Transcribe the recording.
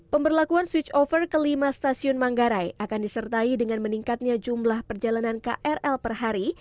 pemberlakuan switch over kelima stasiun manggarai akan disertai dengan meningkatnya jumlah perjalanan krl per hari